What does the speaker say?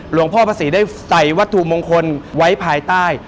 พ่อพระศรีได้ใส่วัตถุมงคลไว้ภายใต้